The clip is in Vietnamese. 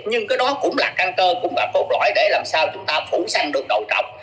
nhưng cái đó cũng là căn cơ cũng là cốt lõi để làm sao chúng ta phủ sanh được đồ trọc